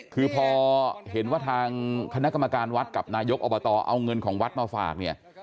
คือพอเห็นว่าทางคณะกรรมการวัดกับนายกอบตเอาเงินของวัดมาฝากเนี่ย